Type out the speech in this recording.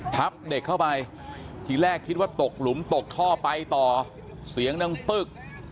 ทับเด็กเข้าไปทีแรกคิดว่าตกหลุมตกท่อไปต่อเสียงดังปึ๊ก